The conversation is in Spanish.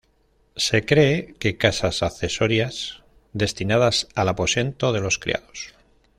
Se cree que casas accesorias destinadas al aposento de los criados.